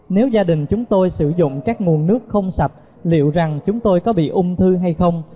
nếu gia đình chúng tôi sử dụng các nguồn nước không sạch liệu rằng chúng tôi có bị ung thư hay không